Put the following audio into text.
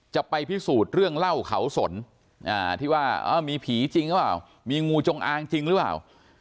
จะไปพิสูจน์เรื่องเล่าเขาสนที่ว่ามีผีจริงหรือเปล่ามีงูจงอางจริงหรือเปล่า